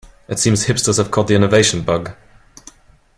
It seems hipsters have caught the innovation bug.